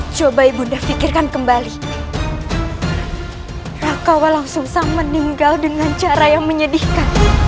sampai jumpa di video selanjutnya